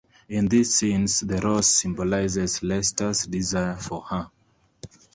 In these scenes, the rose symbolizes Lester's desire for her.